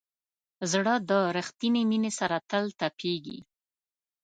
زړه د ریښتینې مینې سره تل تپېږي.